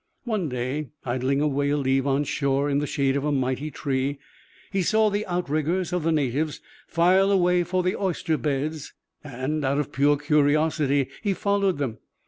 One day, idling away a leave on shore in the shade of a mighty tree, he saw the outriggers of the natives file away for the oyster beds, and, out of pure curiosity, he followed them.